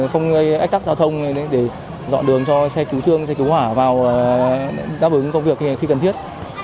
không ách tắc giao thông để dọn đường cho xe cứu thương xe cứu hỏa vào đáp ứng công việc khi cần thiết